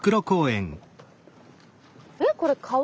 えっこれ川？